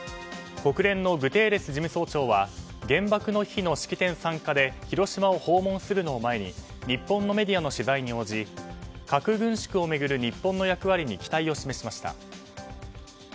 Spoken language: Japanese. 国連のグテーレス事務総長は原爆の日の式典参加で広島を訪問するのを前に日本のメディアの取材に応じ核軍縮を巡る日本の役割に期待を示しました。